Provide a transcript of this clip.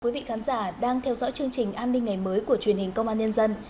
quý vị khán giả đang theo dõi chương trình an ninh ngày mới của truyền hình công an nhân dân